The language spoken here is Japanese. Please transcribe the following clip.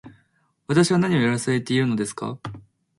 私は何をやらされているのですか